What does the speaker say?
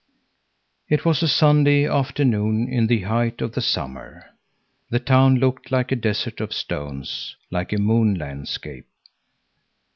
It was a Sunday afternoon in the height of the summer. The town looked like a desert of stones, like a moon landscape.